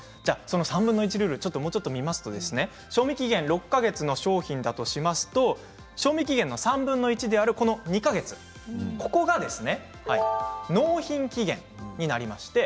３分の１ルール賞味期限６か月の商品だとしますと賞味期限の３分の１である２か月ここが納品期限になります。